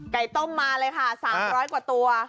ต้มมาเลยค่ะ๓๐๐กว่าตัว